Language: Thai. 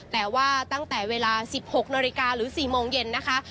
แต่ว่าตั้งแต่เวลา๑๖นาฬิกาหรือ๔โมงเย็นนะคะ